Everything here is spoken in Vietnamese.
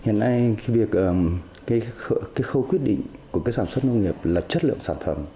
hiện nay khi việc khâu quyết định của sản xuất nông nghiệp là chất lượng sản phẩm